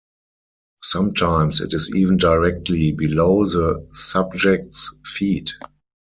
Sometimes, it is even directly below the subject's feet.